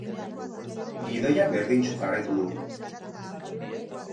Gidoiak berdintsu jarraitu du.